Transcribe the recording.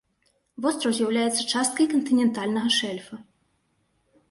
Востраў з'яўляецца часткай кантынентальнага шэльфа.